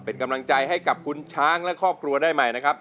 เป็นกำลังใจให้กับคุณช้างและครอบครัวได้ใหม่นะครับ